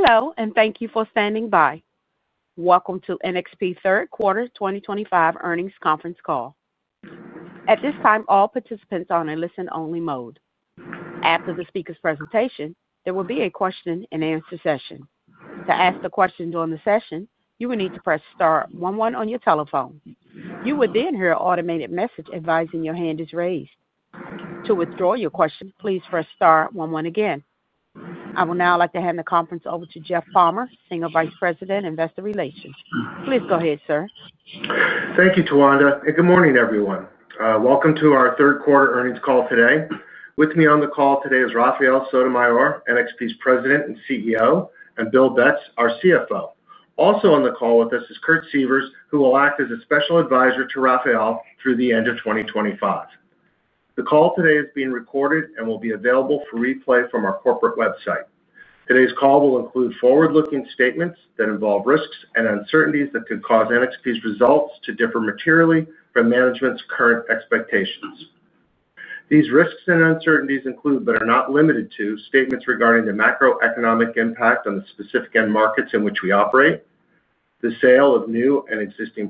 Hello and thank you for standing by. Welcome to NXP third quarter's 2025 earnings conference call. At this time, all participants are on a listen only mode. After the speaker's presentation, there will be a question and answer session. To ask the question during the session, you will need to press star one one on your telephone. You will then hear an automated message advising your hand is raised. To withdraw your question, please press star one one again. I would now like to hand the conference over to Jeff Palmer, Senior Vice President, Investor Relations. Please go ahead, sir. Thank you, Tawanda, and good morning, everyone. Welcome to our third quarter earnings call today. With me on the call today is Rafael Sotomayor, NXP's President and CEO, and Bill Betz, our CFO. Also on the call with us is Kurt Sievers, who will act as a Special Advisor to Rafael through the end of 2025. The call today is being recorded and will be available for replay from our corporate website. Today's call will include forward-looking statements that involve risks and uncertainties that could cause NXP's results to differ materially from management's current expectations. These risks and uncertainties include, but are not limited to, statements regarding the macroeconomic impact on the specific end markets in which we operate, the sale of new and existing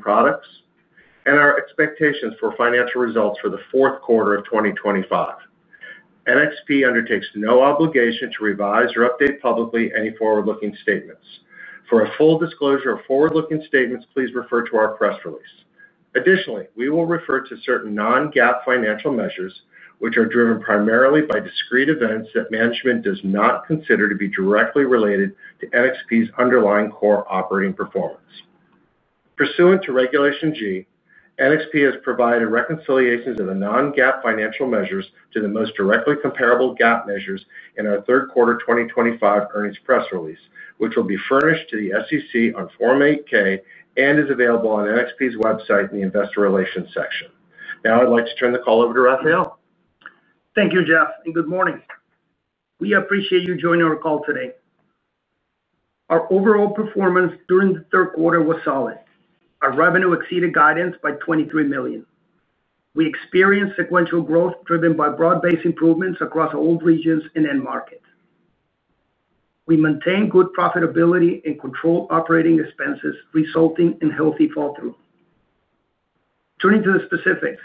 products, and our expectations for financial results for the fourth quarter of 2025. NXP undertakes no obligation to revise or update publicly any forward-looking statements. For a full disclosure of forward-looking statements, please refer to our press release. Additionally, we will refer to certain non-GAAP financial measures which are driven primarily by discrete events that management does not consider to be directly related to NXP's underlying core operating performance. Pursuant to Regulation G, NXP has provided reconciliations of the non-GAAP financial measures to the most directly comparable GAAP measures in our third quarter 2025 earnings press release, which will be furnished to the SEC on Form 8-K and is available on NXP's website in the Investor Relations section. Now I'd like to turn the call over to Rafael. Thank you, Jeff, and good morning. We appreciate you joining our call today. Our overall performance during the third quarter was solid. Our revenue exceeded guidance by $23 million. We experienced sequential growth driven by broad-based improvements across all regions and end markets. We maintained good profitability and controlled operating expenses, resulting in healthy fall through. Turning to the specifics,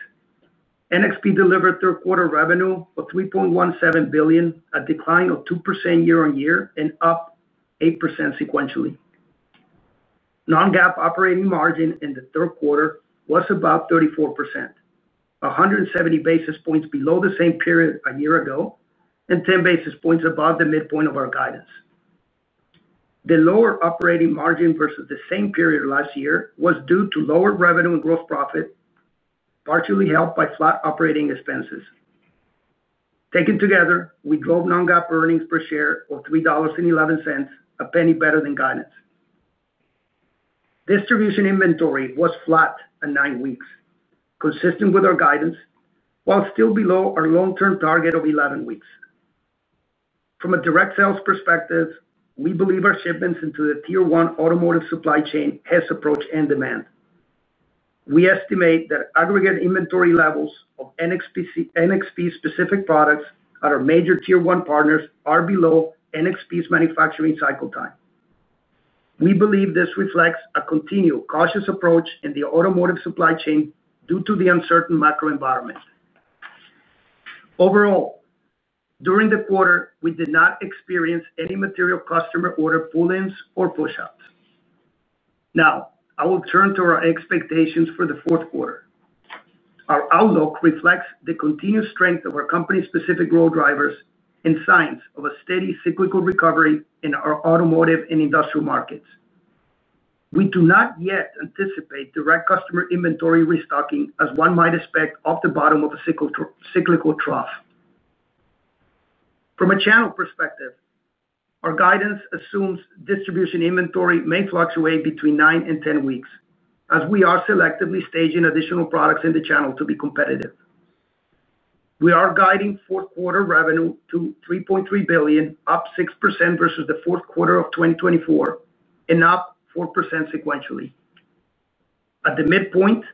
NXP delivered third quarter revenue of $3.17 billion, a decline of 2% year-on-year and up 8% sequentially. Non-GAAP operating margin in the third quarter was above 34%, 170 basis points below the same period a year ago and 10 basis points above the midpoint of our guidance. The lower operating margin versus the same period last year was due to lower revenue and gross profit, partially helped by flat operating expenses. Taken together, we drove non-GAAP earnings per share of $3.11, a penny better than guidance. Distribution inventory was flat at nine weeks, consistent with our guidance while still below our long-term target of 11 weeks. From a direct sales perspective, we believe our shipments into the Tier 1 automotive supply chain best approach end demand. We estimate that aggregate inventory levels of NXP-specific products at our major Tier 1 partners are below NXP's manufacturing cycle time. We believe this reflects a continued cautious approach in the automotive supply chain due to the uncertain macro environment. Overall, during the quarter, we did not experience any material customer order pull-ins or push-outs. Now I will turn to our expectations for the fourth quarter. Our outlook reflects the continued strength of our company-specific growth drivers and signs of a steady cyclical recovery in our automotive and industrial markets. We do not yet anticipate direct customer inventory restocking as one might expect off the bottom of a cyclical trough. From a channel perspective, our guidance assumes distribution inventory may fluctuate between 9 weeks-10 weeks as we are selectively staging additional products in the channel to be competitive. We are guiding fourth quarter revenue to $3.3 billion, up 6% versus the fourth quarter of 2024 and up 4% sequentially. At the midpoint,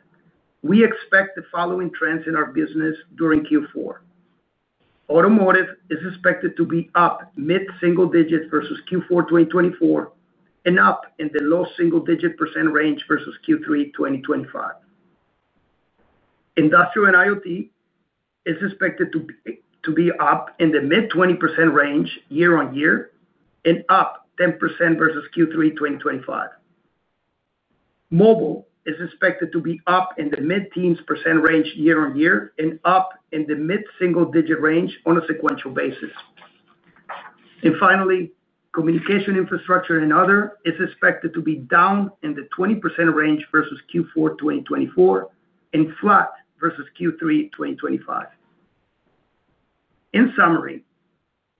we expect the following trends in our business during Q4: Automotive is expected to be up mid-single digits versus Q4 2024 and up in the low single-digit % range versus Q3 2025. Industrial and IoT is expected to be up in the mid 20% range year-on-year and up 10% versus Q3 2025. Mobile is expected to be up in the mid teens % range year-on-year and up in the mid single digit range on a sequential basis. Finally, Communication infrastructure and other is expected to be down in the 20% range versus Q4 2024 and flat versus Q3 2025. In summary,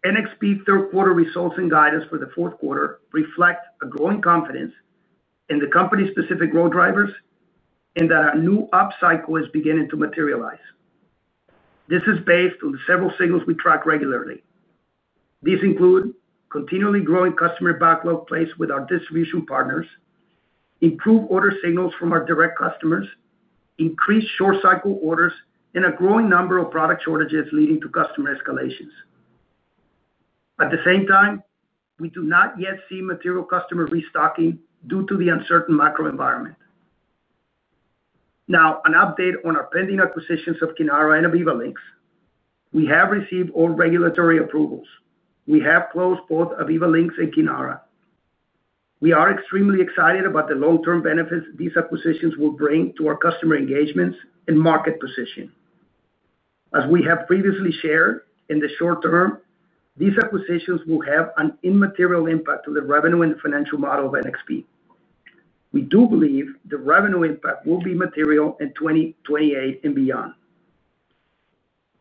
NXP third quarter results and guidance for the fourth quarter reflect a growing confidence in the company's specific growth drivers and that a new upcycle is beginning to materialize. This is based on the several signals we track regularly. These include continually growing customer backlog placed with our distribution partners, improved order signals from our direct customers, increased short cycle orders, and a growing number of product shortages leading to customer escalations. At the same time, we do not yet see material customer restocking due to the uncertain macro environment. Now an update on our pending acquisitions of Kinara and Aviva Links. We have received all regulatory approvals. We have closed both Aviva Links and Kinara. We are extremely excited about the long term benefits these acquisitions will bring to our customer engagements and market position. As we have previously shared, in the short term, these acquisitions will have an immaterial impact on the revenue and financial model of NXP. We do believe the revenue impact will be material in 2028 and beyond.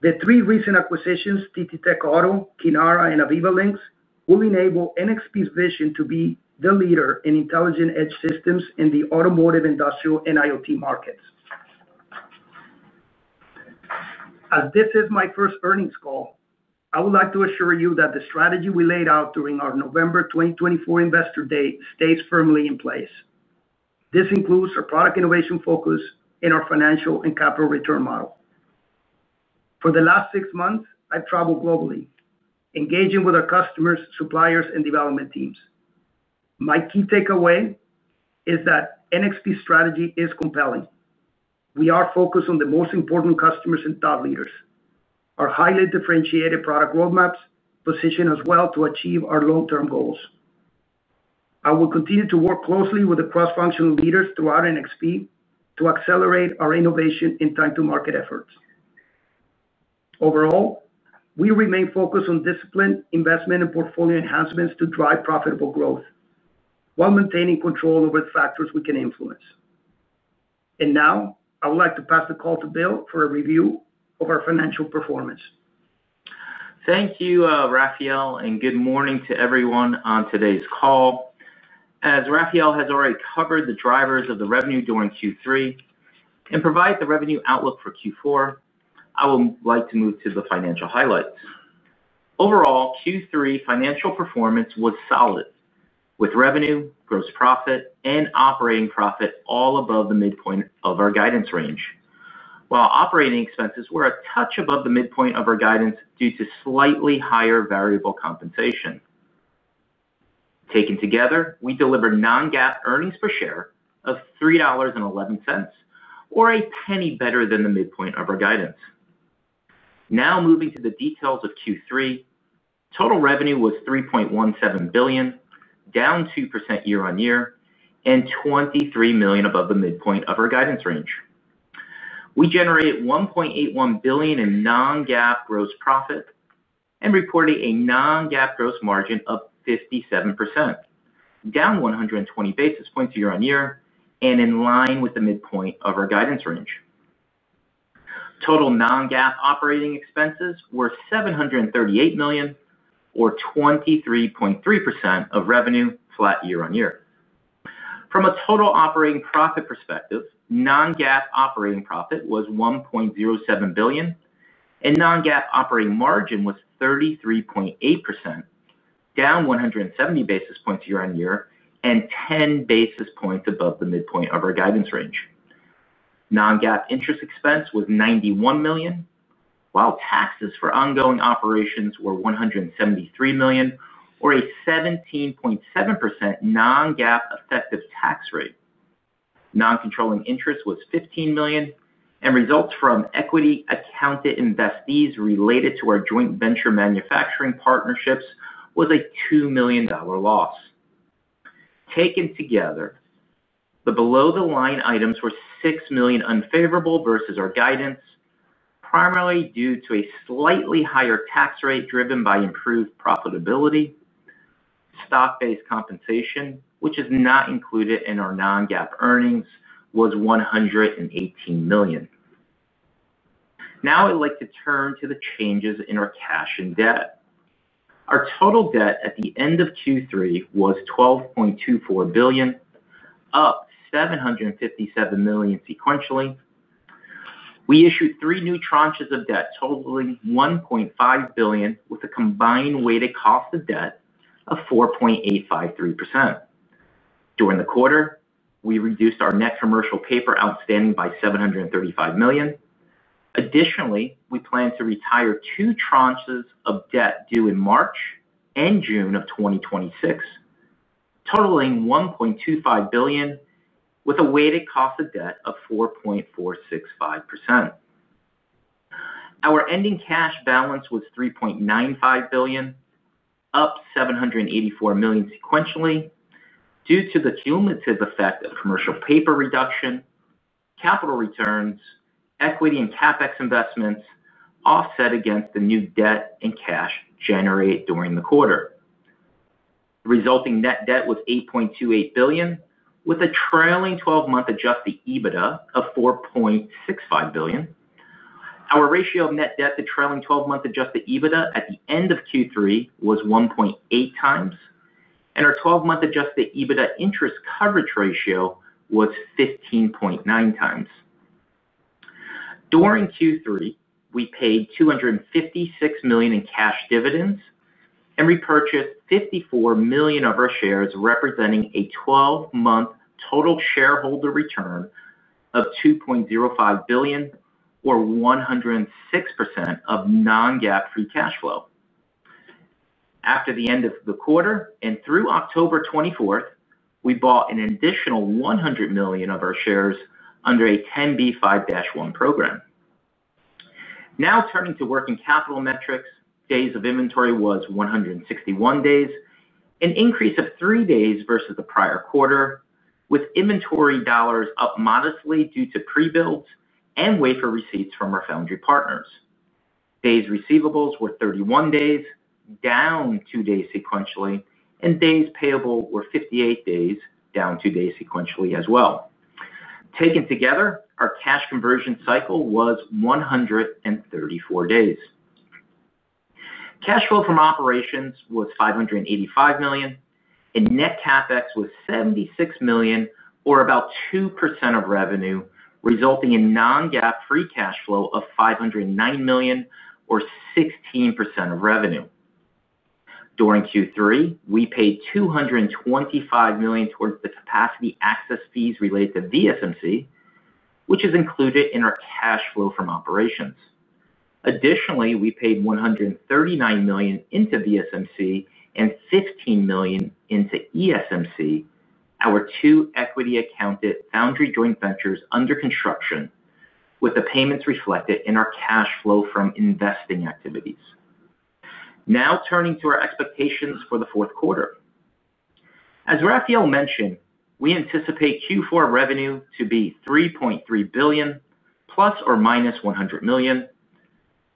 The three recent acquisitions, TTTech Auto, Kinara, and Aviva Links, will enable NXP's vision to be the leader in intelligent edge systems in the automotive, industrial & IoT markets. As this is my first earnings call, I would like to assure you that the strategy we laid out during our November 2024 Investor Day stays firmly in place. This includes our product innovation focus in our financial and capital return model. For the last six months I've traveled globally engaging with our customers, suppliers, and development teams. My key takeaway is that NXP strategy is compelling. We are focused on the most important customers and thought leaders. Our highly differentiated product roadmaps position us well to achieve our long term goals. I will continue to work closely with the cross functional leaders throughout NXP to accelerate our innovation in time to market efforts. Overall, we remain focused on disciplined investment and portfolio enhancements to drive profitable growth while maintaining control over the factors we can influence. I would like to pass the call to Bill for a review of our financial performance. Thank you, Rafael, and good morning to everyone on today's call. As Rafael has already covered the drivers of the revenue during Q3 and provided the revenue outlook for Q4, I would like to move to the financial highlights. Overall, Q3 financial performance was solid with revenue, gross profit, and operating profit all above the midpoint of our guidance range, while operating expenses were a touch above the midpoint of our guidance due to slightly higher variable compensation. Taken together, we delivered non-GAAP earnings per share of $3.11, or a penny better than the midpoint of our guidance. Now moving to the details of Q3, total revenue was $3.17 billion, down 2% year-on-year and $23 million above the midpoint of our guidance range. We generated $1.81 billion in non-GAAP gross profit and reported a non-GAAP gross margin of 57%, down 120 basis points year-on-year and in line with the midpoint of our guidance range. Total non-GAAP operating expenses were $738 million, or 23.3% of revenue, flat year-on-year. From a total operating profit perspective, non-GAAP operating profit was $1.07 billion and non-GAAP operating margin was 33.8%, down 170 basis points year-on-year and 10 basis points above the midpoint of our guidance range. Non-GAAP interest expense was $91 million, while taxes for ongoing operations were $173 million, or a 17.7% non-GAAP effective tax rate. Non-controlling interest was $15 million, and results from equity accounted investees related to our joint venture manufacturing partnerships was a $2 million loss. Taken together, the below the line items were $6 million unfavorable versus our guidance, primarily due to a slightly higher tax rate driven by improved profitability. Stock-based compensation, which is not included in our non-GAAP earnings, was $118 million. Now I'd like to turn to the changes in our cash and debt. Our total debt at the end of Q3 was $12.24 billion, up $757 million sequentially. We issued three new tranches of debt totaling $1.5 billion with a combined weighted cost of debt of 4.853%. During the quarter, we reduced our net commercial paper outstanding by $735 million. Additionally, we plan to retire two tranches of debt due in March and June of 2026 totaling $1.25 billion with a weighted cost of debt of 4.465%. Our ending cash balance was $3.95 billion, up $784 million sequentially due to the cumulative effect of commercial paper reduction, capital returns, equity and CapEx investments offset against the new debt and cash generated during the quarter. The resulting net debt was $8.28 billion with a trailing twelve month adjusted EBITDA of $4.65 billion. Our ratio of net debt to trailing twelve month adjusted EBITDA at the end of Q3 was 1.8 times, and our twelve month adjusted EBITDA interest coverage ratio was 15.9 times. During Q3, we paid $256 million in cash dividends and repurchased $54 million of our shares, representing a twelve month total shareholder return of $2.05 billion or 106% of non-GAAP free cash flow. After the end of the quarter and through October 24th, we bought an additional $100 million of our shares under a 10B5-1 program. Now turning to working capital metrics, days of inventory was 161 days, an increase of 3 days versus the prior quarter, with inventory dollars up modestly due to pre-builds and wafer receipts from our foundry partners. Days receivables were 31 days, down 2 days sequentially, and days payable were 58 days, down 2 days sequentially as well. Taken together, our cash conversion cycle was 134 days. Cash flow from operations was $585 million and net CapEx was $76 million or about 2% of revenue, resulting in non-GAAP free cash flow of $509 million or 16% of revenue. During Q3, we paid $225 million towards the capacity access fees related to VSMC, which is included in our cash flow from operations. Additionally, we paid $139 million into VSMC and $15 million into ESMC, our two equity-accounted foundry joint ventures under construction, with the payments reflected in our cash flow from investing activities. Now turning to our expectations for the fourth quarter, as Rafael Sotomayor mentioned, we anticipate Q4 revenue to be $3.3 billion ±$100 million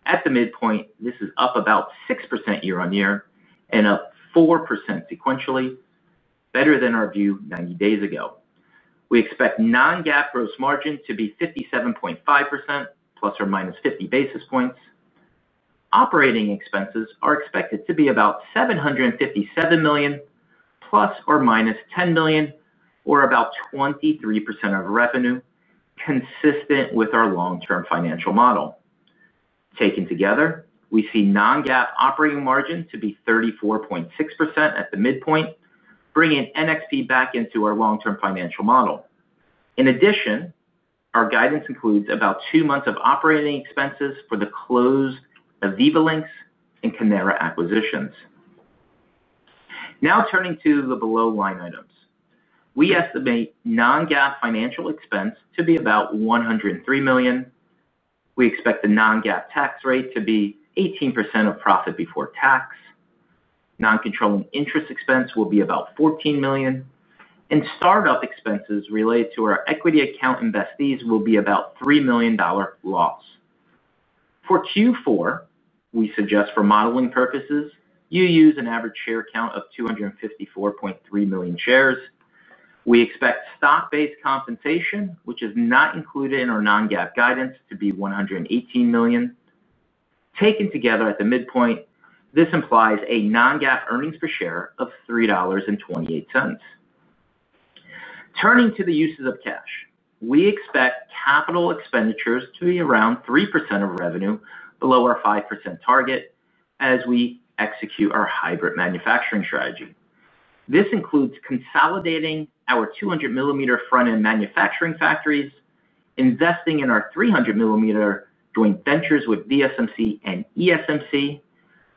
at the midpoint. This is up about 6% year-on-year and up 4% sequentially, better than our view 90 days ago. We expect non-GAAP gross margin to be 57.5% ±50 basis points. Operating expenses are expected to be about $757 million ±$10 million or about 23% of revenue, consistent with our long term financial model. Taken together, we see non-GAAP operating margin to be 34.6% at the midpoint, bringing NXP back into our long term financial model. In addition, our guidance includes about two months of operating expenses for the closed Aviva Links and Kinara acquisitions. Now turning to the below line items, we estimate non-GAAP financial expense to be about $103 million. We expect the non-GAAP tax rate to be 18% of profit before tax, non-controlling interest expense will be about $14 million, and startup expenses related to our equity account investees will be about a $3 million loss. For Q4, we suggest for modeling purposes you use an average share count of 254.3 million shares. We expect stock-based compensation, which is not included in our non-GAAP guidance, to be $118 million. Taken together, at the midpoint, this implies a non-GAAP earnings per share of $3.28. Turning to the uses of cash, we expect capital expenditures to be around 3% of revenue, below our 5% target, as we execute our hybrid manufacturing strategy. This includes consolidating our 200 mm front-end manufacturing factories and investing in our 300 mm joint ventures with VSMC and ESMC.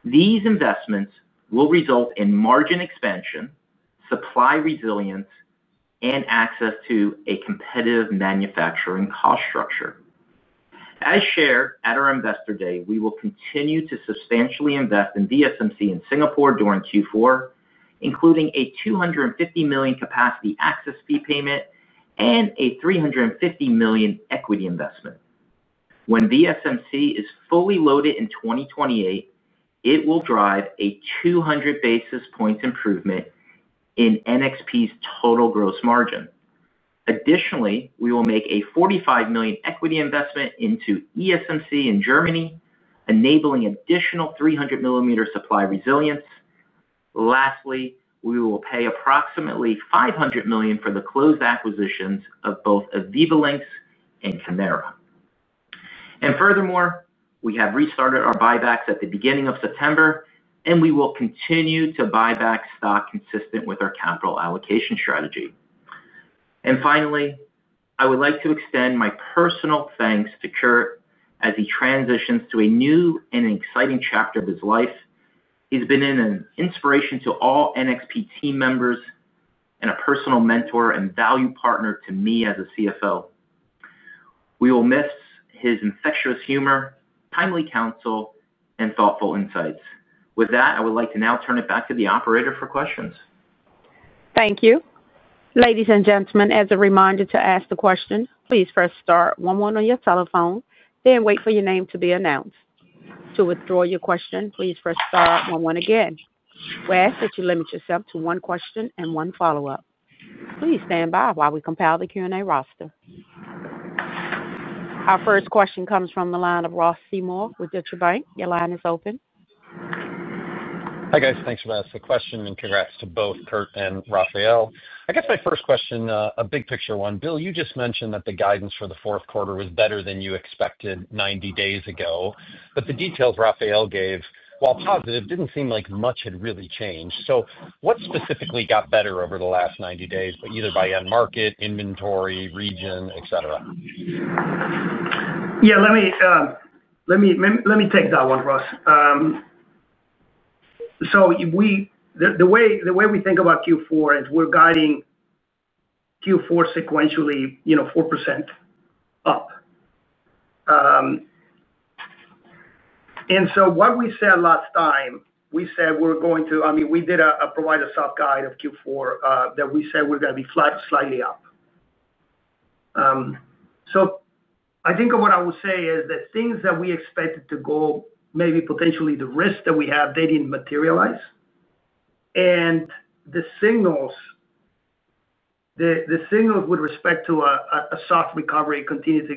These investments will result in margin expansion, supply resilience, and access to a competitive manufacturing cost structure. As shared at our Investor Day, we will continue to substantially invest in VSMC in Singapore during Q4, including a $250 million capacity access fee payment and a $350 million equity investment. When VSMC is fully loaded in 2028, it will drive a 200 basis points improvement in NXP's total gross margin. Additionally, we will make a $45 million equity investment into ESMC in Germany, enabling additional 300 mm supply resilience. Lastly, we will pay approximately $500 million for the closed acquisitions of both Aviva Links and Kinara. Furthermore, we have restarted our buybacks at the beginning of September, and we will continue to buy back stock consistent with our capital allocation strategy. Finally, I would like to extend my personal thanks to Kurt as he transitions to a new and exciting chapter of his life. He's been an inspiration to all NXP team members and a personal mentor and valued partner to me as a CFO. We will miss his infectious humor, timely counsel, and thoughtful insights. With that, I would like to now turn it back to the operator for questions. Thank you, ladies and gentlemen. As a reminder, to ask the question, please first start one one on your telephone, then wait for your name to be announced. To withdraw your question, please press star one one. Again, we ask that you limit yourself to one question and one follow up. Please stand by while we compile the Q and A roster. Our first question comes from the line of Ross Seymore with Deutsche Bank. Your line is open. Hi, guys. Thanks for letting me asking the question and congrats to both Kurt and Rafael. I guess my first question, a big picture one, Bill, you just mentioned that the guidance for the fourth quarter was better than you expected 90 days ago. The details Rafael gave, while positive didn't seem like much had really changed. What specifically got better over the last 90 days either by end market, inventory, region, etc. Let me take that one, Ross. The way we think about Q4 is we're guiding Q4 sequentially, 4% up. What we said last time, we did provide a soft guide of Q4 that we said we're going to be flat, slightly up. I think what I would say is that things that we expected to go, maybe potentially the risk that we have, they didn't materialize and the signals with respect to a soft recovery continue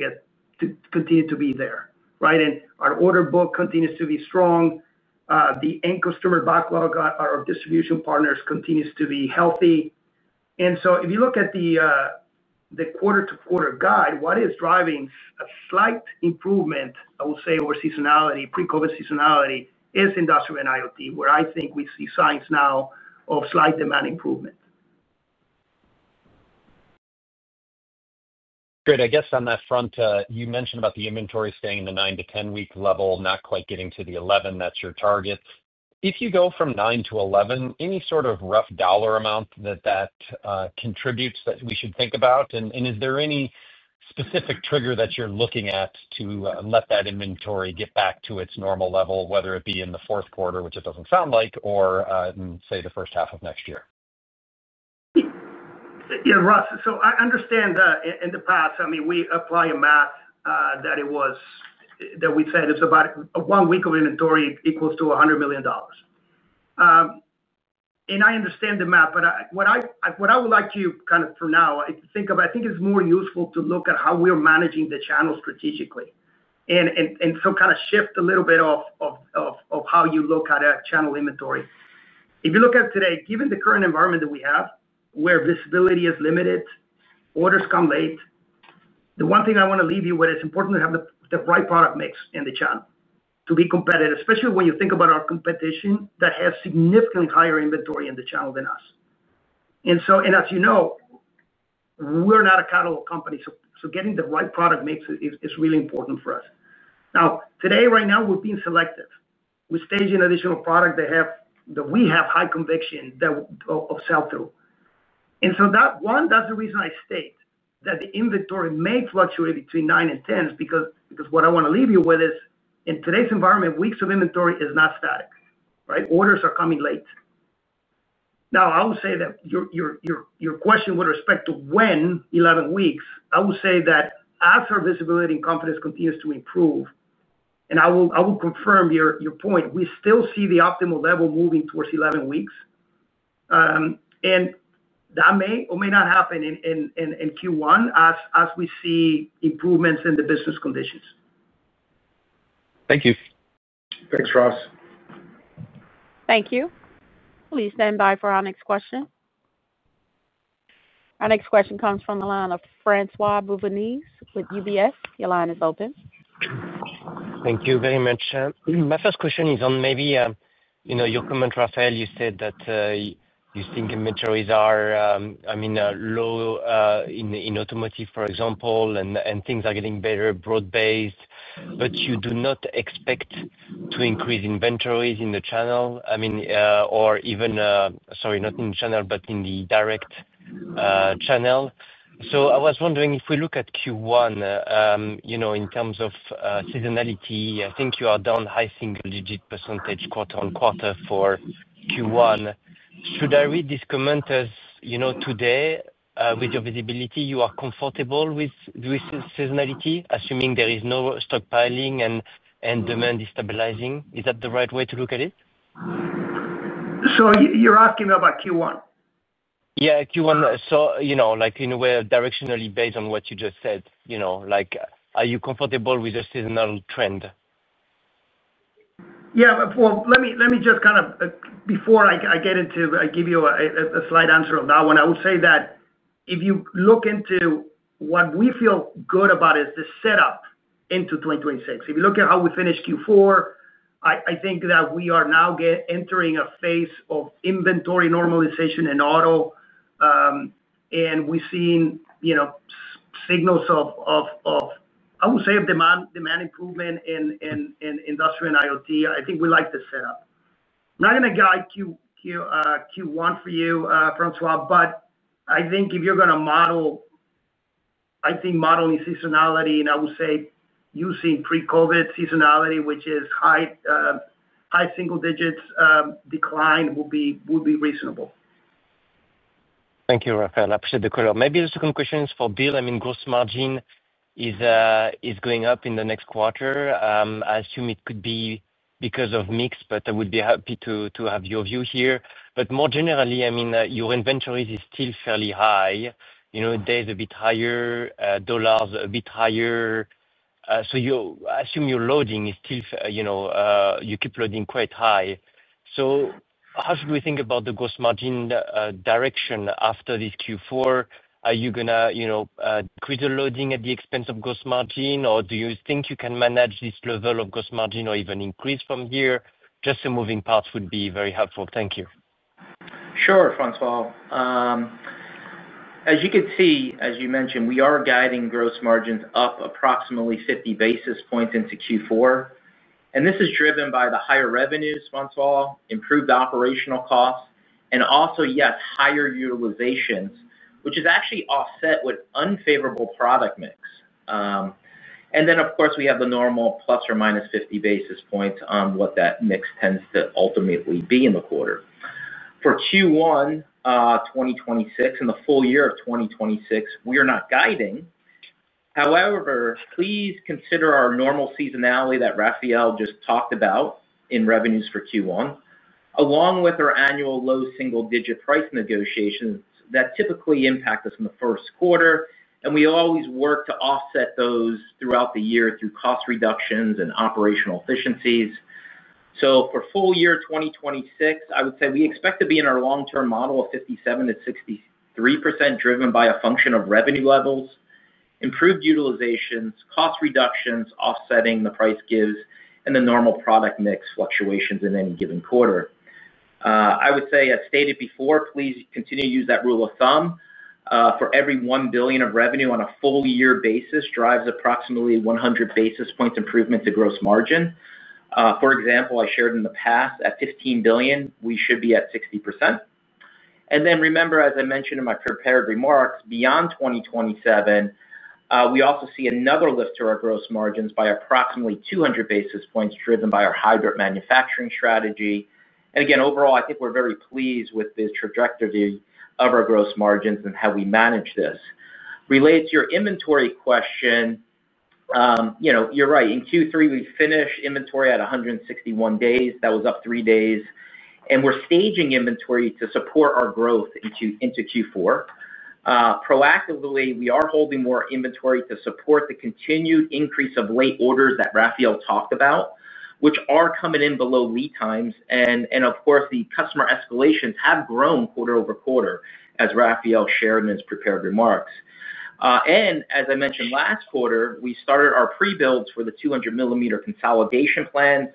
to be there. Our order book continues to be strong. The end consumer backlog, our distribution partners continues to be healthy. If you look at the quarter to quarter guide, what is driving a slight improvement, I would say over seasonality, pre-Covid seasonality is industrial and IoT where I think we see signs now of slight demand improvement. Good. I guess on that front, you mentioned about the inventory staying in the nine to ten week level, not quite getting to the eleven. That's your target. If you go from nine to eleven, any sort of rough dollar amount that that contributes that we should think about? Is there any specific trigger that you're looking at to let that inventory get back to its normal level, whether it be in the fourth quarter, which it doesn't sound like, or say the first half of next year. Yeah, Ross. I understand in the past, I mean, we apply a math that it was that we said it's about one week of inventory equals to $100 million. I understand the math. What I would like you kind of for now think of, I think it's more useful to look at how we're managing the channel strategically and so kind of shift a little bit of how you look at channel inventory. If you look at today, given the current environment that we have where visibility is limited, orders come late. The one thing I want to leave you with, it's important to have the right product mix in the channel to be competitive, especially when you think about our competition that has significantly higher inventory in the channel than us. As you know, we're not a catalog company, so getting the right product mix is really important for us now. Today, right now, we're being selective. We're staging additional product that we have high conviction of sell through. That one, that's the reason I state that the inventory may fluctuate between 9-10 is because what I want to leave you with is in today's environment, weeks of inventory is not static. Right? Orders are coming late. I would say that your question with respect to when 11 weeks. I would say that as our visibility and confidence continues to improve, I will confirm your point, we still see the optimal level moving towards 11 weeks. That may or may not happen in Q1 as we see improvements in the business conditions. Thank you. Thanks, Ross. Thank you. Please stand by for our next question. Our next question comes from the line of François Bouvignies with UBS. Your line is open. Thank you very much. My first question is on maybe, you know, your comment, Rafael, you said that you think inventories are, I mean, low in automotive, for example, and things are getting better broad based. You do not expect to increase inventories in the channel, I mean, or even, sorry, not in channel, but in the direct channel. I was wondering if we look at Q1, you know, in terms of seasonality, I think you are down high single digit % quarter on quarter for Q1. Should I read this comment as, you know, today with your visibility, you are comfortable with seasonality, assuming there is no stockpiling and demand is stabilizing. Is that the right way to look at it? You're asking about Q1. Yeah, Q1. You know, in a way directionally based on what you just said, you know, are you comfortable with a seasonal trend? Let me just kind of, before I get into it, give you a slight answer on that one. I would say that if you look into what we feel good about, it is the setup into 2026. If you look at how we finished Q4, I think that we are now entering a phase of inventory normalization in auto, and we've seen signals of, I would say, demand improvement in industrial and IoT. I think we like the setup. I'm not going to guide Q1 for you, François, but I think if you're going to model, I think modeling seasonality, and I would say using pre-Covid seasonality, which is high single digits decline, would be reasonable. Thank you, Rafael. I appreciate the color. Maybe the second question is for Bill. I mean, gross margin is going up in the next quarter. I assume it could be because of mix, but I would be happy to have your view here. More generally, your inventory is still fairly high, you know, days a bit higher, dollars a bit higher. You assume your loading is still, you know, you keep loading quite high. How should we think about the gross margin direction after this Q4? Are you going to, you know, crystal loading at the expense of gross margin, or do you think you can manage this level of gross margin or even increase from here? Just the moving parts would be very helpful, thank you. Sure, François. As you can see, as you mentioned, we are guiding gross margins up approximately 50 basis points into Q4. This is driven by the higher revenues, François, improved operational costs, and also, yes, higher utilizations which is actually offset with unfavorable product mix. Of course, we have the normal ±50 basis points on what that mix tends to ultimately be in the quarter for Q1, 2026 and the full year of 2026. We are not guiding. However, please consider our normal seasonality that Rafael just talked about in revenues for Q1 along with our annual low single digit price negotiations that typically impact us in the first quarter. We always work to offset those throughout the year through cost reductions and operational efficiencies. For full year 2026, I would say we expect to be in our long term model of 57%-63% driven by a function of revenue levels, improved utilizations, cost reductions, offsetting the price gives, and the normal product mix fluctuations in any given quarter. I would say as stated before, please continue to use that rule of thumb. For every $1 billion of revenue on a full year basis drives approximately 100 basis points improvement to gross margin. For example, I shared in the past at $15 billion, we should be at 60%. Remember, as I mentioned in my prepared remarks, beyond 2027 we also see another lift to our gross margins by approximately 200 basis points driven by our hybrid manufacturing strategy. Again, overall, I think we're very pleased with the trajectory of our gross margins and how we manage this. Related to your inventory question, you know, you're right. In Q3 we finished inventory at 161 days. That was up three days. We're staging inventory to support our growth into Q4 proactively. We are holding more inventory to support the continued increase of late orders that Rafael talked about which are coming in below lead times. Of course, the customer escalations have grown quarter over quarter as Rafael shared in his prepared remarks. As I mentioned, last quarter we started our pre-builds for the 200 mm consolidation plans,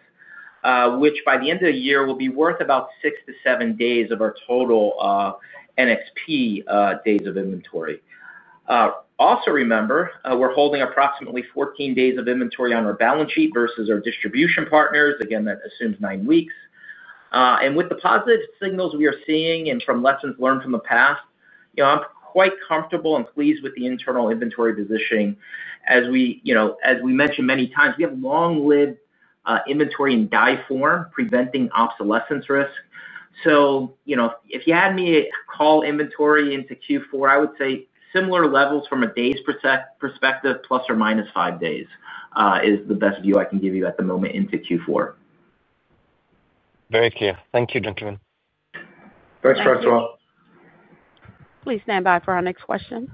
which by the end of the year will be worth about six to seven days of our total NXP days of inventory. Also, remember we're holding approximately 14 days of inventory on our balance sheet versus our distribution partners. That assumes nine weeks. With the positive signals we are seeing, and from lessons learned from the past, I'm quite comfortable and pleased with the internal inventory positioning. As we mentioned many times, we have long-lived inventory in die form, preventing obsolescence risk. If you had me call inventory into Q4, I would say similar levels from a days perspective, ±5 days is the best view I can give you at the moment into Q4. Very clear. Thank you, gentlemen. Thanks François. Please stand by for our next question.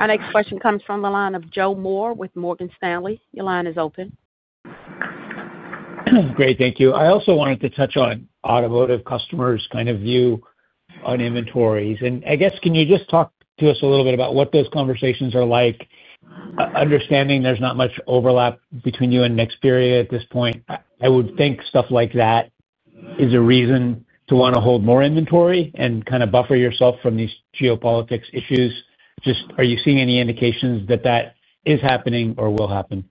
Our next question comes from the line of Joe Moore with Morgan Stanley. Your line is open. Great, thank you. I also wanted to touch on automotive customers' kind of view on inventories, and I guess can you just talk to us a little bit about what those conversations are like. Understanding there's not much overlap between you and NXP at this point, I would think stuff like that is a reason to want to hold more inventory and kind of buffer yourself from these geopolitics issues. Are you seeing any indications that that is happening or will happen?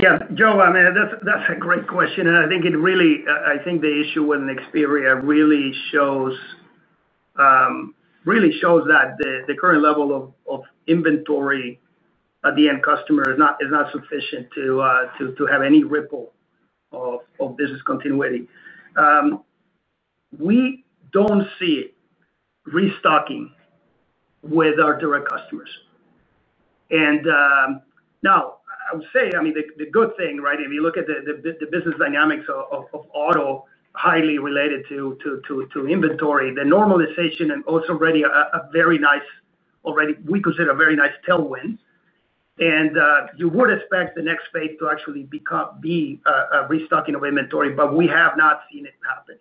Yeah, Joe, that's a great question. I think the issue with NXP really shows that the current level of inventory at the end customer is not sufficient to have any ripple of business continuity. We don't see it restocking with our direct customers. I would say the good thing, right, if you look at the business dynamics of auto highly related to inventory, the normalization and also a very nice, already we consider, very nice tailwind, and you would expect the next phase to actually be restocking of inventory. We have not seen it happen.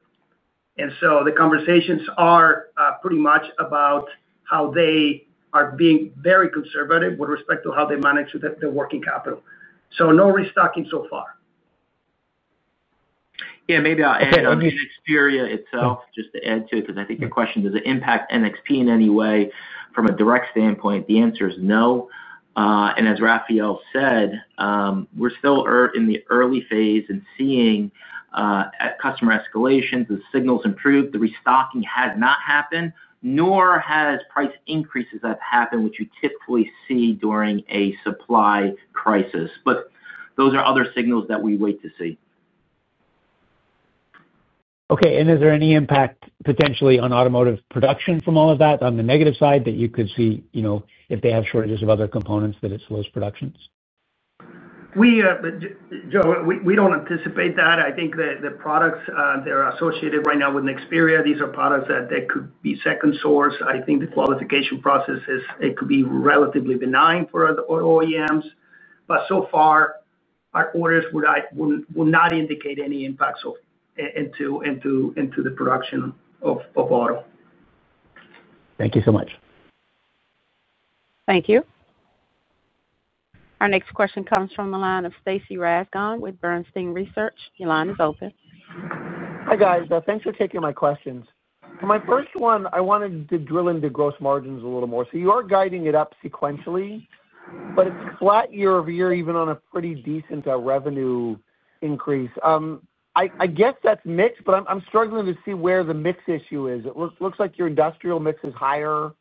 The conversations are pretty much about how they are being very conservative with respect to how they manage their working capital. No restocking so far. Yeah, maybe I'll add exterior itself just to add to it because I think your question does it impact NXP in any way from a direct standpoint, the answer is no. As Rafael said, we're still in the early phase and seeing customer escalations. The signals improve. The restocking has not happened nor has price increases that happen, which you typically see during a supply crisis. Those are other signals that we wait to see. Okay, is there any impact potentially on automotive production from all of that on the negative side that you could see if they have shortages of other components, that it slows productions? Joe, we don't anticipate that. I think that the products that are associated right now with Nexperia, these are products that could be second source. I think the qualification process could be relatively benign for OEMs. So far our orders will not indicate any impacts into the production of auto. Thank you so much. Thank you. Our next question comes from the line of Stacy Rasgon with Bernstein Research. Your line is open. Hi guys. Thanks for taking my questions. My first one, I wanted to drill into gross margins a little more. You are guiding it up sequentially, but it's flat year-over-year, even on a pretty decent revenue increase. I guess that's mix, but I'm struggling to see where the mix issue is. It looks like your industrial mix is higher.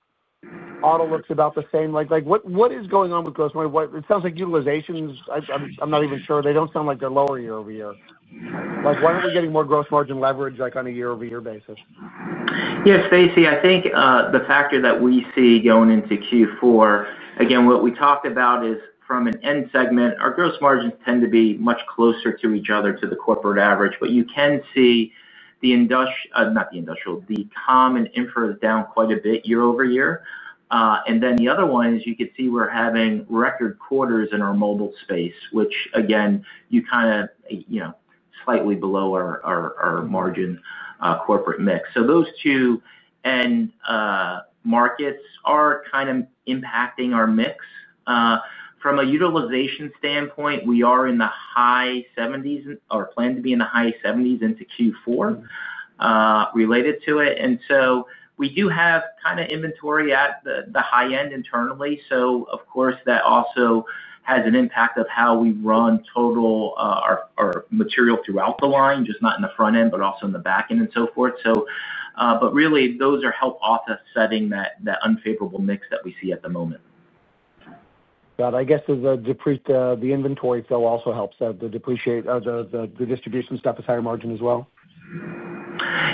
Auto looks about the same. What is going on with gross margin? It sounds like utilizations. I'm not even sure. They don't sound like they're lower year-over-year. Why are we getting more gross margin leverage on a year-over-year basis? Yes, Stacy, I think the factor that we see going into Q4 again, what we talked about is from an end segment, our gross margins tend to be much closer to each other to the corporate average. You can see the industrial, not the industrial, the common infra is down quite a bit year-over-year. The other one is you can see we're having record quarters in our mobile space, which again, you know, is slightly below our margin corporate mix. Those two end markets are kind of impacting our mix from a utilization standpoint. We are in the high 70% or plan to be in the high 70% into Q4 related to it. We do have kind of inventory at the high end internally. Of course, that also has an impact on how we run total our material throughout the line, not just in the front end but also in the back end and so forth. Those are really helping offset that unfavorable mix that we see at the moment. I guess the inventory fill also helps. The distribution stuff is higher margin as well.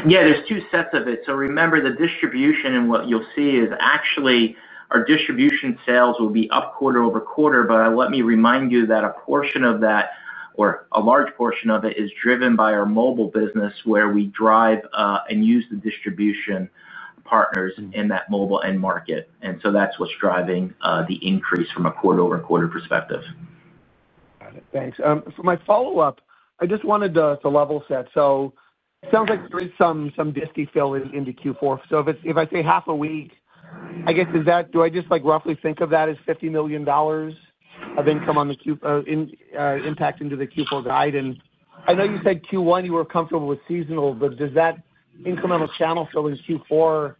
Yeah, there's two sets of it. Remember the distribution and what you'll see is actually our distribution sales will be up quarter over quarter. Let me remind you that a portion of that or a large portion of it is driven by our mobile business where we drive and use the distribution partners in that mobile end market. That's what's driving the increase from a quarter over quarter perspective. Thanks. My follow up, I just wanted to level set. It sounds like there is some channel fill into Q4. If I say half a week, I guess is that, do I just roughly think of that as $50 million of income on the impact into the Q4 guidance? I know you said Q1 you were comfortable with seasonal, but does that incremental channel fill in Q4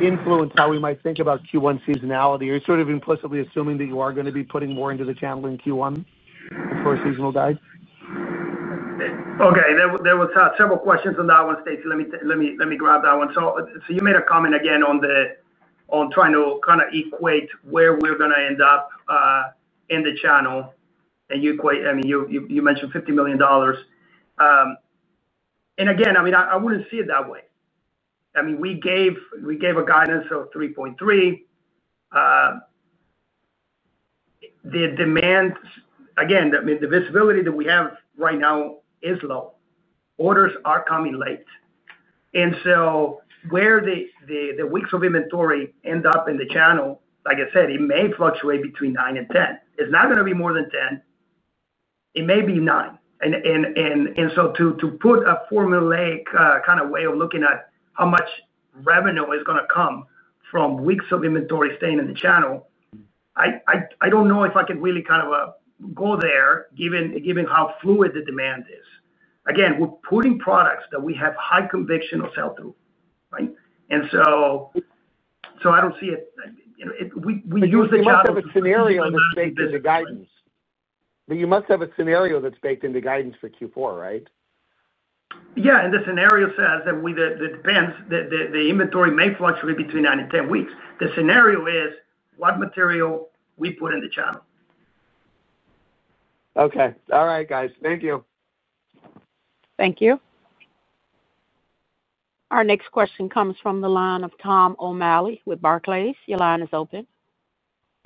influence how we might think about Q1 seasonality? Are you sort of implicitly assuming that you are going to be putting more into the channel in Q1 before seasonal guide? Okay, there were several questions on that one. Stacy, let me grab that one. You made a comment again on trying to kind of equate where we're going to end up in the channel and you equate, I mean you mentioned $50 million. I wouldn't see it that way. We gave a guidance of $3.3 billion. The demand, again, the visibility that we have right now is low. Orders are coming late. Where the weeks of inventory end up in the channel, like I said, it may fluctuate between 9-10. It's not going to be more than 10, it may be nine. To put a formulaic kind of way of looking at how much revenue is going to come from weeks of inventory staying in the channel, I don't know if I could really kind of go there, given how fluid the demand is. We're putting products that we have high conviction of sell through. I don't see it. We usually have a scenario that's baked into guidance. You must have a scenario that's baked into guidance for Q4, right? Yeah. The scenario says that depends. The inventory may fluctuate between 9 weeks-10 weeks. The scenario is what material we put in the channel. Okay. All right, guys, thank you. Thank you. Our next question comes from the line of Tom O'Malley with Barclays. Your line is open.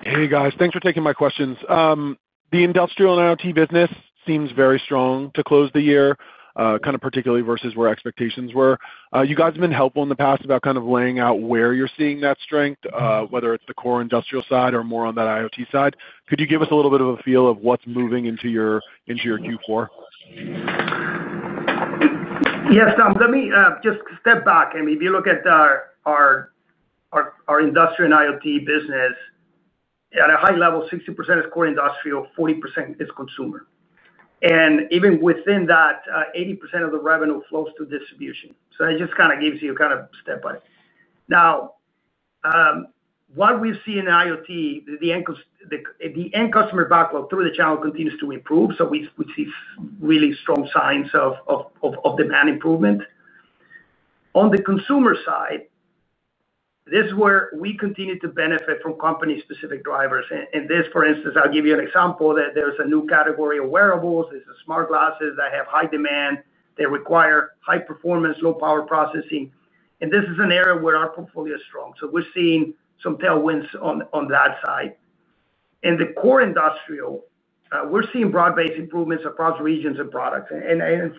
Hey guys, thanks for taking my questions. The industrial and IoT business seems very strong to close the year, kind of particularly versus where expectations were. You guys have been helpful in the past about kind of laying out where you're seeing that strength, whether it's the core industrial side or more on that IoT side. Could you give us a little bit of a feel of what's moving into your Q4? Yes, Tom, let me just step back. If you look at our industrial & IoT business at a high level, 60% is core industrial, 40% is consumer. Even within that, 80% of the revenue flows to distribution. It just kind of gives you kind of step by step. Now what we see in IoT, the end customer backlog through the channel continues to improve. We see really strong signs of demand improvement. On the consumer side, this is where we continue to benefit from company specific drivers. For instance, I'll give you an example that there's a new category of wearables. These are smart glasses that have high demand, they require high performance, low power processing. This is an area where our portfolio is strong. We're seeing some tailwinds on that side. In the core industrial, we're seeing broad based improvements across regions and products.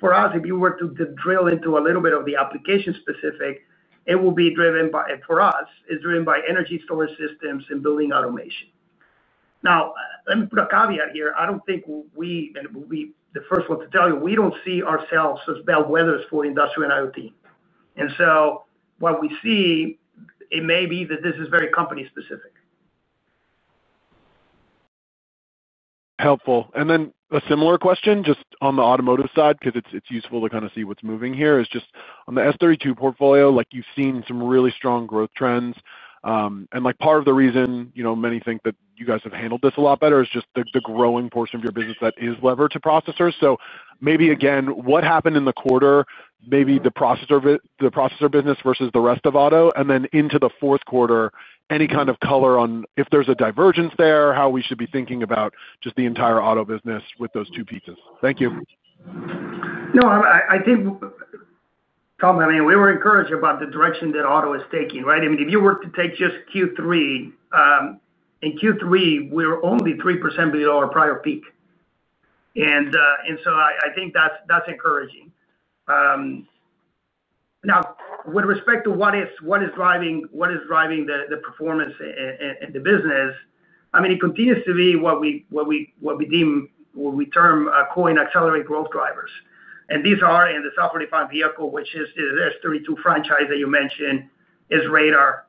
For us, if you were to drill into a little bit of the application specific, it will be driven by, for us, is driven by energy storage systems and building automation. Let me put a caveat here. I don't think we, and we'll be the first one to tell you, we don't see ourselves as bad weathers for industrial & IoT. What we see, it may be that this is very company specific. Helpful. A similar question just on the automotive side because it's useful to kind of see what's moving here is just on the S32 automotive processing platform portfolio. You've seen some really strong growth trends. Part of the reason many think that you guys have handled this a lot better is just the growing portion of your business that is levered to processors. Maybe again what happened in the quarter, maybe the processor business versus the rest of auto, and then into the fourth quarter, any kind of color on if there's a divergence there, how we should be thinking about just the entire auto business with those two pieces. Thank you. No, I think Tom, I mean we were encouraged about the direction that auto is taking, right? I mean if you were to take just Q3, in Q3, we were only 3% below our prior peak, and I think that's encouraging. Now, with respect to what is driving the performance in the business, it continues to be what we term core accelerate growth drivers. These are in the software defined vehicle, which is the S32 automotive processing platform that you mentioned, is radar,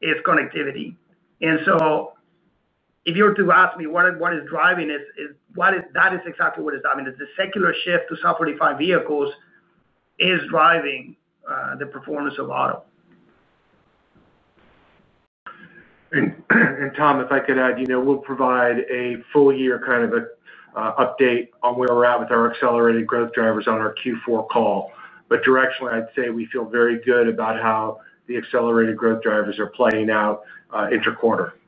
is connectivity. If you were to ask me what is driving that, it is exactly what is driving, it is the secular shift to software defined vehicles that is driving the performance of auto. Tom, if I could add, we'll provide a full year kind of update on where we're at with our accelerated growth drivers on our Q4 call. Directionally, I'd say we feel very good about how the accelerated growth drivers are playing out inter quarter. Thank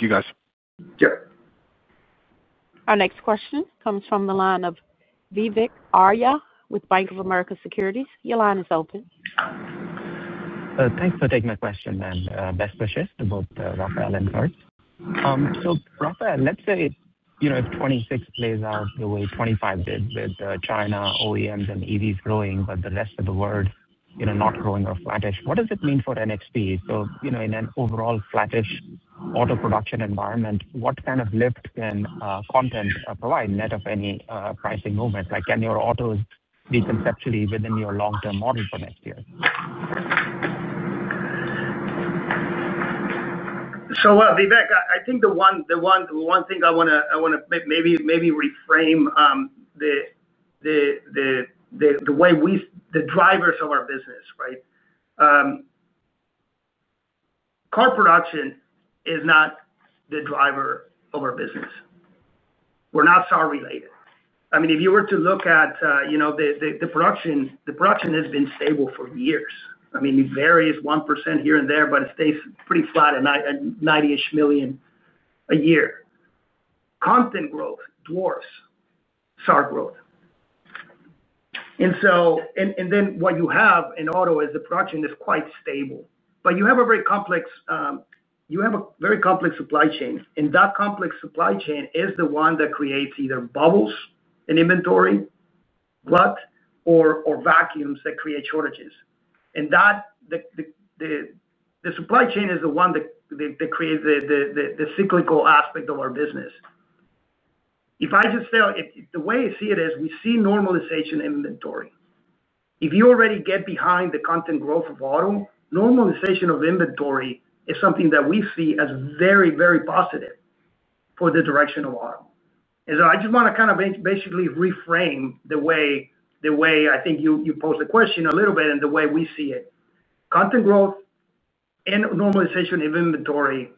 you guys. Our next question comes from the line of Vivek Arya with Bank of America Securities. Your line is open. Thanks for taking the question and best wishes to both Rafael and Kurt. Rafael, let's say 2026 plays out the way 2025 did with China OEMs and EVs growing, but the rest of the world, you know, not growing or flattish. What does it mean for NXP? In an overall flattish auto production environment, what kind of lift can content provide net of any pricing movement? Like can your autos be conceptually within your long term model for next year? Vivek, I think the one thing I want to maybe reframe is the way we see the drivers of our business, right? Car production is not the driver of our business. We're not SAR related. If you were to look at the production, it has been stable for years. It varies 1% here and there, but it stays pretty flat. And $90-ish million a year, content growth dwarfs SAR growth. What you have in auto is the production is quite stable, but you have a very complex supply chain. That complex supply chain is the one that creates either bubbles in inventory glut or vacuums that create shortages. The supply chain is the one that creates the cyclical aspect of our business. The way I see it is we see normalization in inventory. If you already get behind the content growth of auto, normalization of inventory is something that we see as very, very positive for the direction of auto. I just want to basically reframe the way I think you posed the question a little bit. The way we see it, content growth and normalization of inventory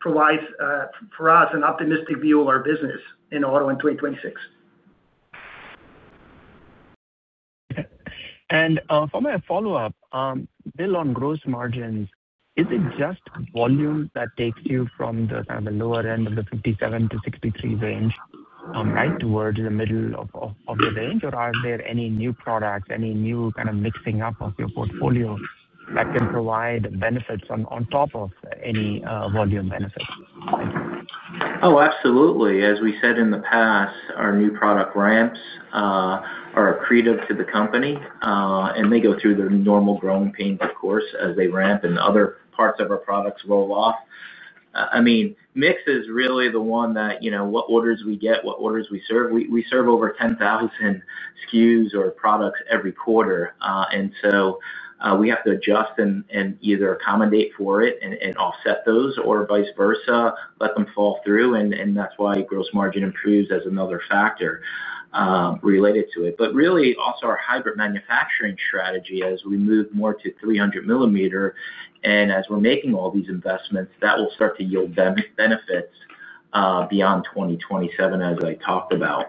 provides for us an optimistic view of our business in auto in 2026. For my follow up, Bill, on gross margins, is it just volume that takes you from the lower end of the 57%-63% range right towards the middle of the range? Or are there any new products, any new kind of mixing up of your portfolio that can provide benefits on top of any volume benefit? Oh, absolutely. As we said in the past, our new product ramps are accretive to the company and they go through their normal growing pains, of course, as they ramp and other parts of our products roll off. I mean mix is really the one that, you know, what orders we get, what orders we serve. We serve over 10,000 SKUs or products every quarter, and we have to adjust and either accommodate for it and offset those or vice versa, let them fall through. That is why gross margin improves as another factor related to it. Really also our hybrid manufacturing strategy, as we mentioned, moves more to 300 mm. As we're making all these investments that will start to yield benefits beyond 2027 as I talked about,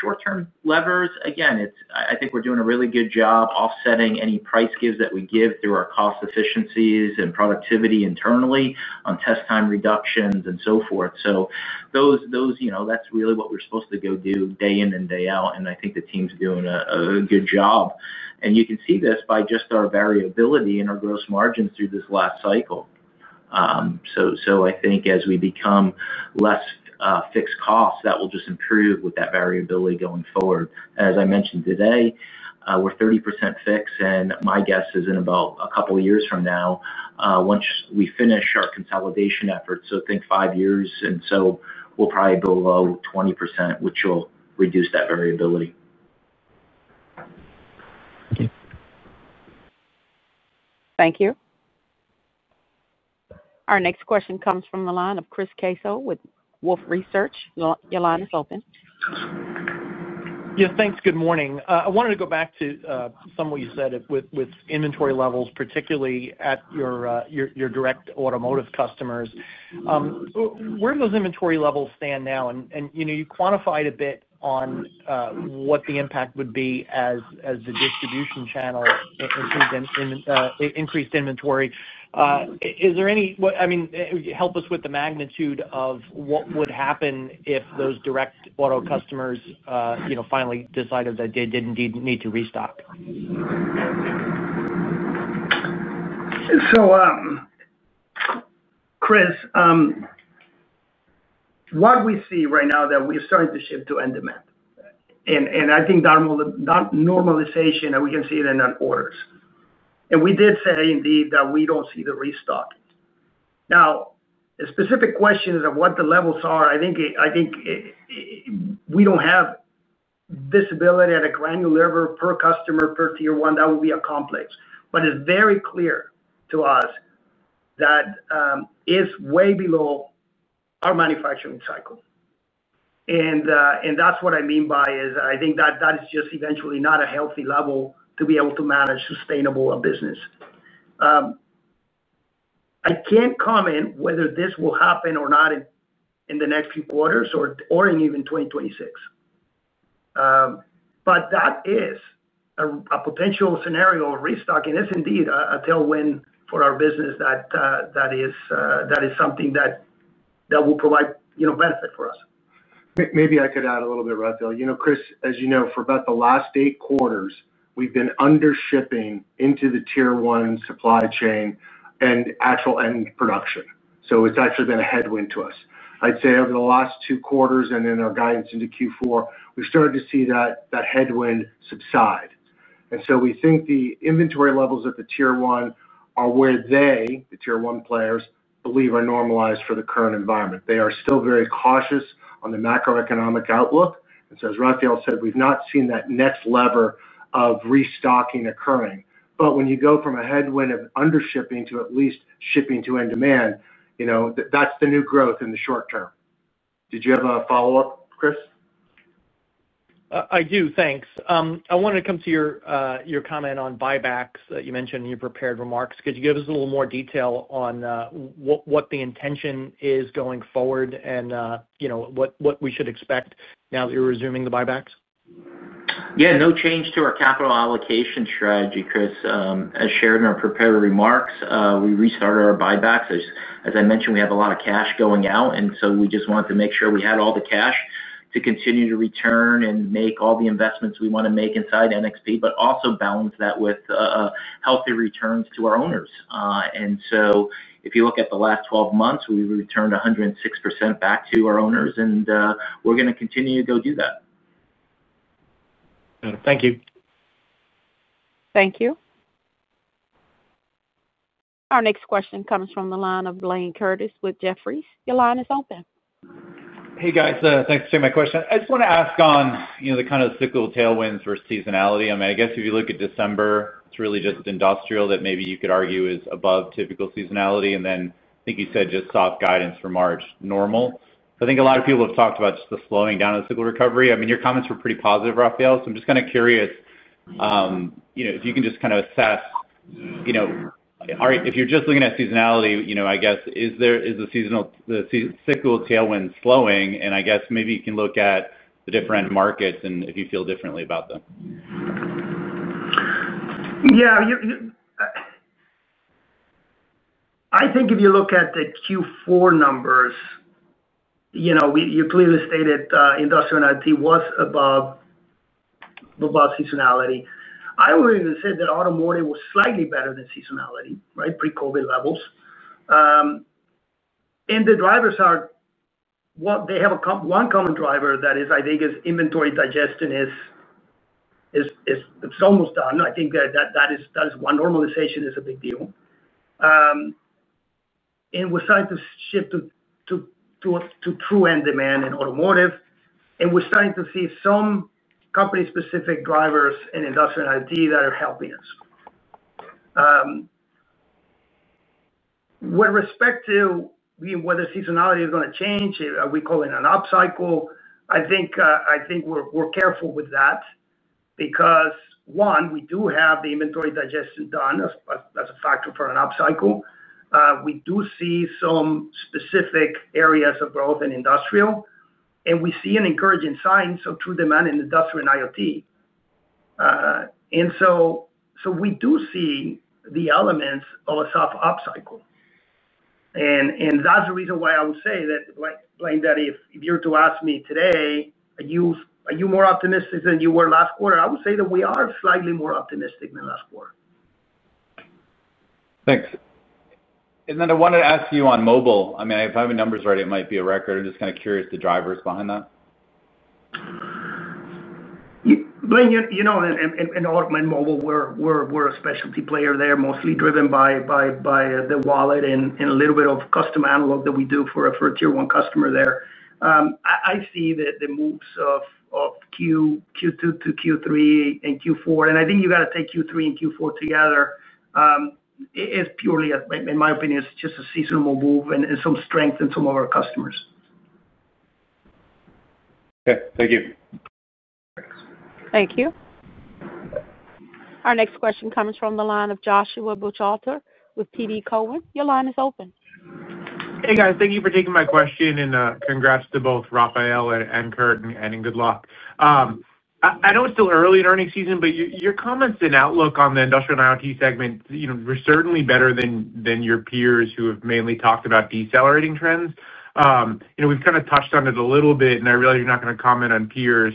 short term levers, again, I think we're doing a really good job offsetting any price gives that we give through our cost efficiencies and productivity internally on test time reductions and so forth. Those, you know, that's really what we're supposed to go do day in and day out. I think the team's doing a good job. You can see this by just our variability in our gross margin margins through this last cycle. I think as we become less fixed costs, that will just improve with that variability going forward. As I mentioned today, we're 30% fixed and my guess is in about a couple years from now, once we finish our consolidation efforts. Think five years and we'll probably be below 20%, which will reduce that variability. Okay. Thank you. Our next question comes from the line of Chris Caso with Wolfe Research. Your line is open. Yeah, thanks. Good morning. I wanted to go back to some of what you said with inventory levels, particularly at your direct automotive customers, where those inventory levels stand now and you quantified a bit on what the impact would be as the distribution channel increased inventory. Is there any, I mean, help us with the magnitude of what would happen if those direct auto customers finally decided that they did indeed need to restock? Chris, what we see right now is that we're starting to shift to end demand. I think that normalization, and we can see it in orders, and we did say indeed that we don't see the restocking. Now, a specific question is of what the levels are. I think we don't have visibility at a granular per customer, per Tier 1. That will be complex. It is very clear to us that it is way below our manufacturing cycle. That's what I mean. I think that is just eventually not a healthy level to be able to manage sustainable business. I can't comment whether this will happen or not in the next few quarters or in even 2026. That is a potential scenario of restocking, which is indeed a tailwind for our business. That is something that will provide benefit for us. Maybe I could add a little bit, Rafael. Chris, as you know, for about the last eight quarters we've been under shipping into the Tier 1 supply chain and actual end production. It's actually been a headwind to us, I'd say over the last two quarters, and in our guidance into Q4, we started to see that headwind subside. We think the inventory levels at the Tier 1 are where the Tier 1 players believe are normalized for the current environment. They are still very cautious on the macroeconomic outlook. As Rafael said, we've not seen that next lever of restocking occurring. When you go from a headwind of under shipping to at least shipping to end demand, that's the new growth in the short term. Did you have a follow up, Chris? I do. Thanks. I wanted to come to your comment on buybacks that you mentioned in your prepared remarks, could you give us a little more detail on what the intention is going forward and what we should expect now that you're resuming the buybacks? Yeah, no change to our capital allocation strategy. Chris, as shared in our prepared remarks, we restarted our buybacks. As I mentioned, we have a lot of cash going out, and we just wanted to make sure we had all the cash to continue to return and make all the investments we want to make inside NXP, but also balance that with healthy returns to our owners. If you look at the last 12 months, we returned 106% back to our owners, and we're going to continue to go do that. Thank you. Thank you. Our next question comes from the line of Blayne Curtis with Jefferies. Your line is open. Hey guys, thanks for taking my question. I just want to ask on the kind of cyclical tailwinds versus seasonality. I guess if you look at December, it's really just industrial that maybe you could argue is above typical seasonality. I think you said just soft guidance for March normal. I think a lot of people have talked about just the slowing down of cyclical recovery. I mean your comments were pretty positive, Rafael. I'm just kind of curious if you can assess if you're just looking at seasonality. Is the seasonal cyclical tailwind slowing, and maybe you can look at the different markets and if you feel differently about them. Yeah, I think if you look at the Q4 numbers, you clearly stated industrial. It was above. I would even say that automotive was slightly better than seasonality, right? Pre-Covid levels. The drivers have one common driver that is, I think, inventory digestion is almost done. I think that normalization is a big deal. We started to shift to true end demand in automotive, and we're starting to see some company-specific drivers in industrial IoT that are helping us with respect to whether seasonality is going to change. We call it an upcycle. I think we're careful with that because, one, we do have the inventory digestion done as a factor for an upcycle. We do see some specific areas of growth in industrial, and we see an encouraging sign. True demand in industrial IoT. We do see the elements of a soft upcycle, and that's the reason why I would say that. Blayne Daddy, if you were to ask me today are you more optimistic than you were last quarter, I would say that we are slightly more optimistic than last quarter. Thanks. I wanted to ask you on mobile, I mean, if I have the numbers right, it might be a record. I'm just kind of curious the drivers behind that. Blayne, you know, in automotive, mobile, we're a specialty player there, mostly driven by the wallet and a little bit of custom analog that we do for a Tier 1 customer there. I see that the moves of Q2 to Q3 and Q4, and I think you got to take Q3 and Q4 together, is purely, in my opinion, it's just a seasonable move and some strength in some of our customers. Okay, thank you. Thank you. Our next question comes from the line of Joshua Buchalter with TD Cohen. Your line is open. Hey guys, thank you for taking my question and congrats to both Rafael and Kurt and good luck. I know it's still early in earnings season, but your comments and outlook on the industrial and IoT segment were certainly better than your peers who have mainly talked about decelerating trends. We've kind of touched on it a little bit and I realize you're not going to comment on peers,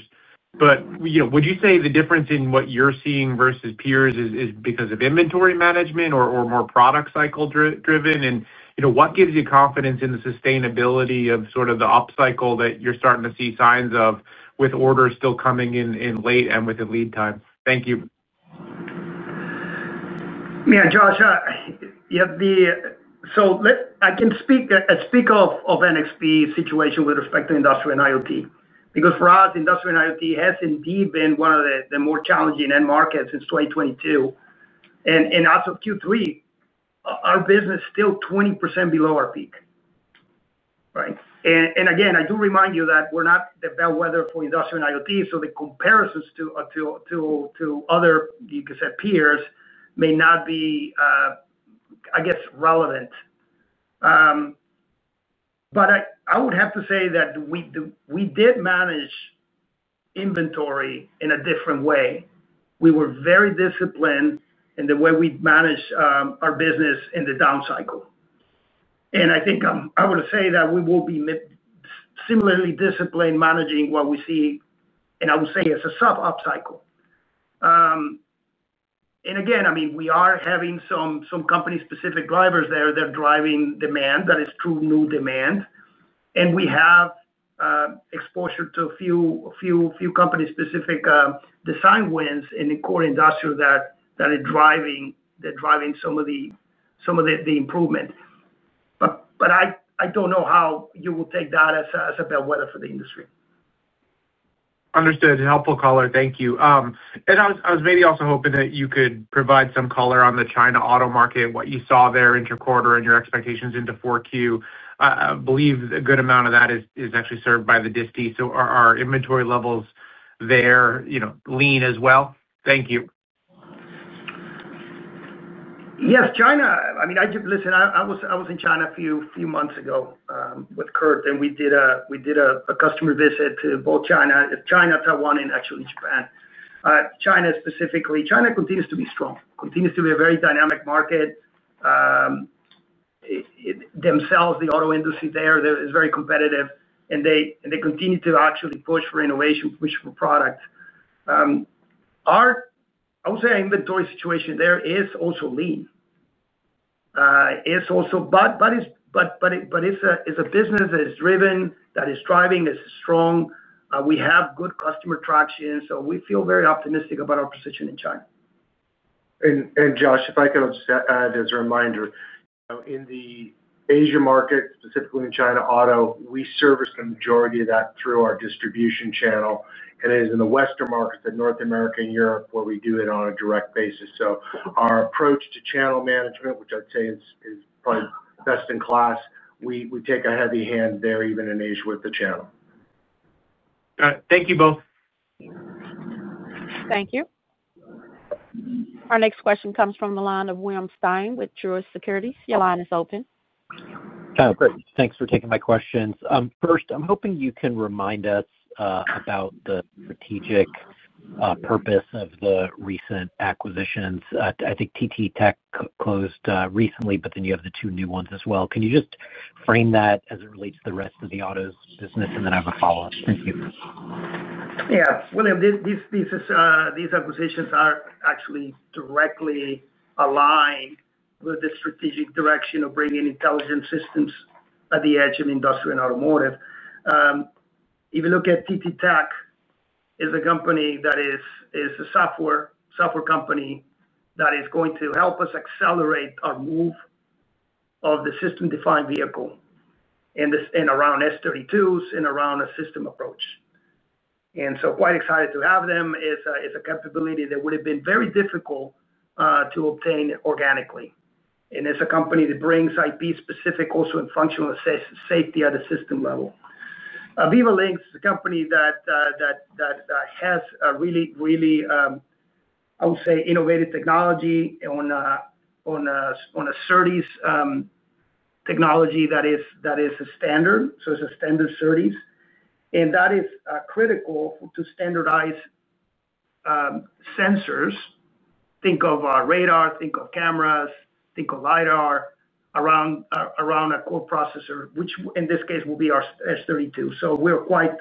but would you say the difference in what you're seeing versus peers is because of inventory management or more product cycle driven, and what gives you confidence in the sustainability of sort of the upcycle that you're starting to see signs of with orders still coming in late and with the lead time. Thank you. Yeah, Josh. I can speak of NXP's situation with respect to industrial and IoT because for us, industrial and IoT has indeed been one of the more challenging end markets since 2022, and as of Q3, our business is still 20% below our peak, right? I do remind you that we're not the bellwether for industrial IoT, so the comparisons to other, you could say, peers may not be, I guess, relevant. I would have to say that we did manage inventory in a different way. We were very disciplined in the way we manage our business in the down cycle. I think I would say that we will be similarly disciplined managing what we see. I would say it's a sub upcycle. We are having some company specific drivers there that are driving demand, that is true new demand. We have exposure to a few company specific design wins in the core industrial that are driving some of the improvement. I don't know how you will take that as a bellwether for the industry. Understood. Helpful color. Thank you. I was maybe also hoping that you could provide some color on the China auto market, what you saw there inter quarter and your expectations into 4Q. I believe a good amount of that is actually served by the distribution. Are inventory levels there are lean as well? Thank you. Yes. China, I mean, listen, I was in China a few months ago with Kurt and we did a customer visit to both China, Taiwan, and actually Japan. China specifically continues to be strong, continues to be a very dynamic market themselves. The auto industry there is very competitive and they continue to actually push for innovation, push for product. I would say our inventory situation there is also lean. It's also a business that is driven, that is driving, is strong. We have good customer traction. We feel very optimistic about our position in China. Josh, if I could add as a reminder, in the Asia market, specifically in China auto, we service the majority of that through our distribution channel, and it is in the western markets in North America and Europe where we do it on a direct basis. Our approach to channel management, which I'd say is probably best in class, is that we take a heavy hand there even in Asia with the channel. Thank you both. Thank you. Our next question comes from the line of William Stein with Truist Securities. Your line is open. Thanks for taking my questions. First, I'm hoping you can remind us about the strategic purpose of the recent acquisitions. I think TTTech Auto closed recently, but then you have the two new ones as well. Can you just frame that as it relates to the rest of the autos business? I have a follow up. Thank you. Yeah, William, these acquisitions are actually directly aligned with the strategic direction of bringing intelligent systems at the edge of industrial and automotive. If you look at TTTech Auto, it is a software company that is going to help us accelerate our move of the system defined vehicle and around S32s and around a system approach, so quite excited to have them. It's a capability that would have been very difficult to obtain organically. It's a company that brings IP specific also in functional safety at a system level. Aviva Links is a company that has a really, really, I would say, innovative technology on a SERDES technology that is a standard. It's a standard SERDES, and that is critical to standardize sensors. Think of our radar, think of cameras, think of lidar around a core processor, which in this case will be our S32. We're quite,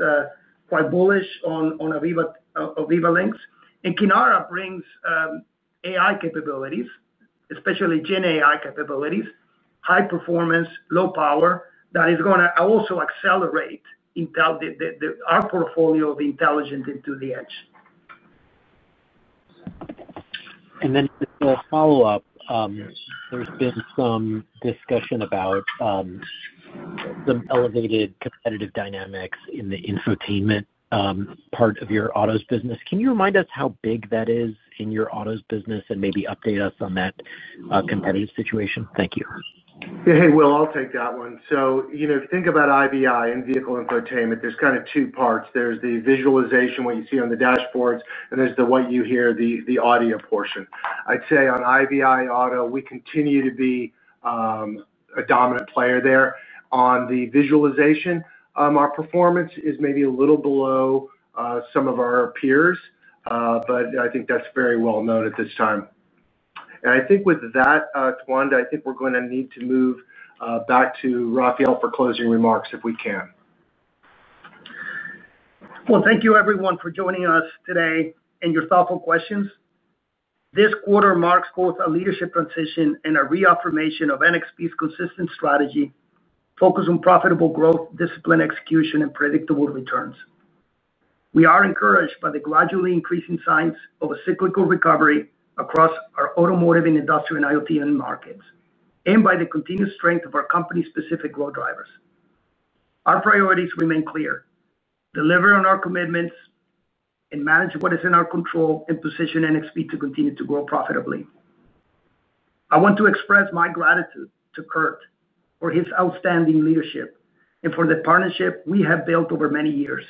quite bullish on Aviva Links. Kinara brings AI capabilities, especially GenAI capabilities. High performance, low power. That is going to also accelerate our portfolio of intelligence into the edge. There has been some discussion about elevated competitive dynamics in the infotainment part of your autos business. Can you remind us how big that is in your autos business and maybe update us on that competitive situation? Thank you. Hey, Will, I'll take that one. Think about IVI and vehicle infotainment. There's kind of two parts. There's the visualization, what you see on the dashboards, and there's what you hear, the audio portion. I'd say on IVI Auto, we continue to be a dominant player there. On the visualization, our performance is maybe a little below some of our peers, but I think that's very well known at this time. I think with that, Tawanda, I think we're going to need to move back to Rafael for closing remarks, if we can. Thank you everyone for joining us today and your thoughtful questions. This quarter marks both a leadership transition and a reaffirmation of NXP's consistent strategy, focus on profitable growth, disciplined execution, and predictable returns. We are encouraged by the gradually increasing signs of a cyclical recovery across our automotive and industrial and IoT end markets and by the continued strength of our company-specific growth drivers. Our priorities remain clear: deliver on our commitments, manage what is in our control, and position NXP to continue to grow profitably. I want to express my gratitude to Kurt for his outstanding leadership and for the partnership we have built over many years.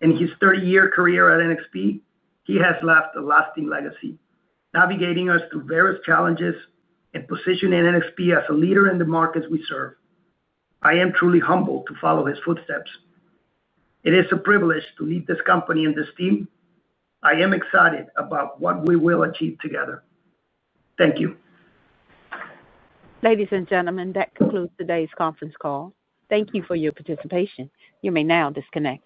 In his 30-year career at NXP, he has left a lasting legacy, navigating us through various challenges and positioning NXP as a leader in the markets we serve. I am truly humbled to follow his footsteps. It is a privilege to lead this company and this team. I am excited about what we will achieve together. Thank you, ladies and gentlemen, that concludes today's conference call. Thank you for your participation. You may now disconnect.